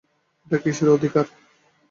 এটা কিসের অধিকার?